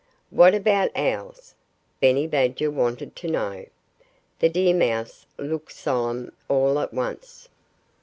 "What about Owls?" Benny Badger wanted to know. The deer mouse looked solemn all at once.